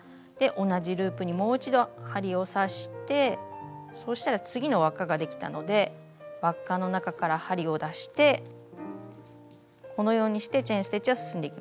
同じループにもう一度針を刺してそうしたら次の輪っかができたので輪っかの中から針を出してこのようにしてチェーン・ステッチは進んでいきます。